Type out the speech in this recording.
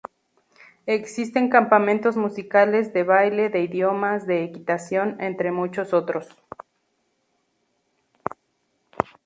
Existen campamentos musicales, de baile, de idiomas, de equitación... entre muchos otros.